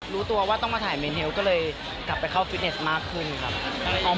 รู้ตัวว่าต้องมาถ่ายเมนเทลก็เลยกลับไปเข้าฟิตเนสมากขึ้นครับ